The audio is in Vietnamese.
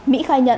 mỹ khai nhận